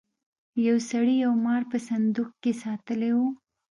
یو سړي یو مار په صندوق کې ساتلی و.